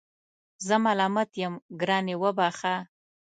زه ملامت یم ګرانې وبخښه